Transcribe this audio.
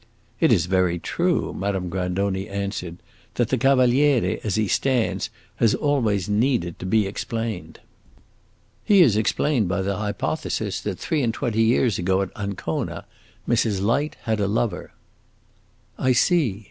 "It is very true," Madame Grandoni answered, "that the Cavaliere, as he stands, has always needed to be explained." "He is explained by the hypothesis that, three and twenty years ago, at Ancona, Mrs. Light had a lover." "I see.